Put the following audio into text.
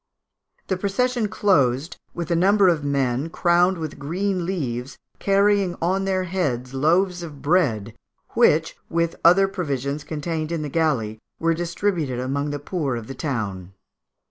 The procession closed with a number of men, crowned with green leaves, carrying on their heads loaves of bread, which, with other provisions contained in the galley, were distributed amongst the poor of the town.